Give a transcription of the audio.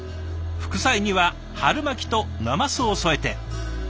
副菜には春巻となますを添えて。